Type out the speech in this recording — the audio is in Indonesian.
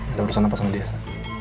ada urusan apa sama diasa